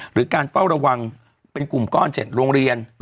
หรือการเฝ้าระวังเป็นกลุ่มก้อน๗โรงเรียน